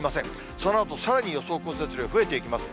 そのあとさらに予想降雪量増えていきます。